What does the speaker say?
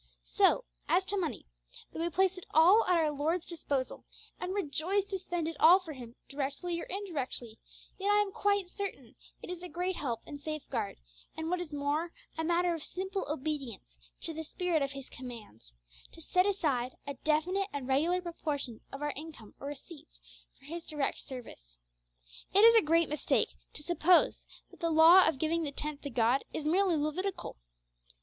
So, as to money, though we place it all at our Lord's disposal, and rejoice to spend it all for Him directly or indirectly, yet I am quite certain it is a great help and safeguard, and, what is more, a matter of simple obedience to the spirit of His commands, to set aside a definite and regular proportion of our income or receipts for His direct service. It is a great mistake to suppose that the law of giving the tenth to God is merely Levitical.